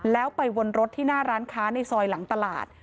แล้วไปวนรถที่หน้าร้านค้าในซอยหลังตลาด